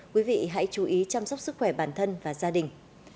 quý vị hãy chú ý chăm sóc sức khỏe bản thân và gia đình